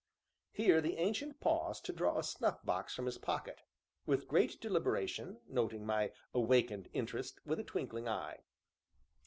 Here the Ancient paused to draw a snuff box from his pocket, with great deliberation, noting my awakened interest with a twinkling eye.